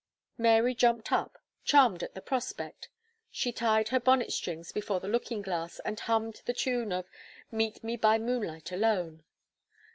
Mary jumped up, charmed at the prospect. She tied her bonnet strings before the looking glass, and hummed the tune of "Meet me by moonlight alone."